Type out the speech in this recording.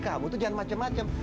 kamu itu jangan macem macem